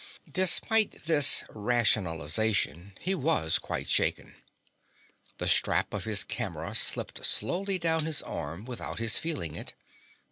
Despite this rationalization he was quite shaken. The strap of his camera slipped slowly down his arm without his feeling it.